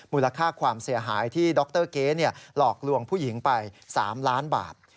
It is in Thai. มูลค่าความเสียหายที่ดรเก๊หลอกลวงผู้หญิงไป๓ล้านบาท